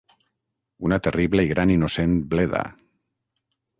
Una terrible i gran innocent bleda.